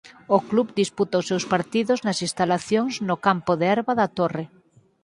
O club disputa os seus partidos nas instalacións no campo de herba da Torre.